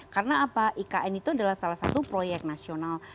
karena apa ikn itu adalah salah satu proyek nasional